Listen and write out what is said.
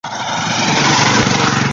তোমার পাশে একটু বসতে পারি?